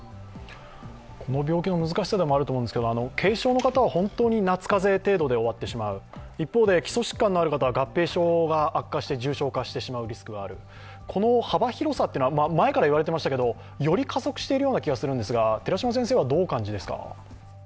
この病気の難しさでもあると思うんですけど軽症の方は夏風邪程度で終わってしまう、一方で基礎疾患のある方は合併症を発症して重症化してしまう、この幅広さというのは、前から言われていましたけど、より加速しているような気がするんですが。